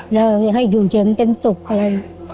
จะให้อยู่เย็นเต้นศุกร์อะไร